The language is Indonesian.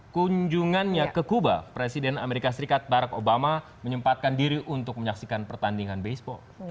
kunjungannya ke kuba presiden amerika serikat barack obama menyempatkan diri untuk menyaksikan pertandingan baseball